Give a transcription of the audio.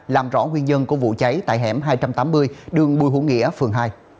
làm rõ nguyên nhân của vụ cháy tại hẻm hai trăm tám mươi đường bùi hữu nghĩa phường hai